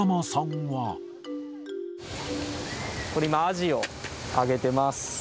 これ今、アジをあげています。